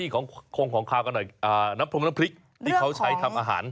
ของขาวกันหน่อยน้ำพรมน้ำพริกที่เขาใช้ทำอาหาร